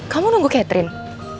kamu nunggu catherine